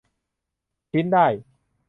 ชิ้นได้